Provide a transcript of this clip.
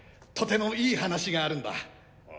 とてもいい話があるんだ。